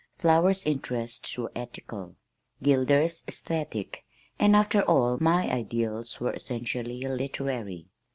Flower's interests were ethical, Gilder's esthetic, and after all my ideals were essentially literary.